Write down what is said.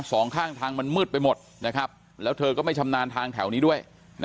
สองข้างทางมันมืดไปหมดนะครับแล้วเธอก็ไม่ชำนาญทางแถวนี้ด้วย